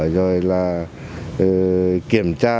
rồi là kiểm tra